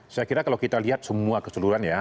saya kira kalau kita lihat semua keseluruhan ya